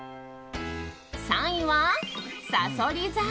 ３位は、さそり座。